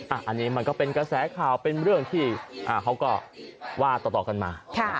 อันนี้มันก็เป็นกระแสข่าวเป็นเรื่องที่เขาก็ว่าต่อกันมา